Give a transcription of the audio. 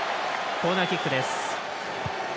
コーナーキックです。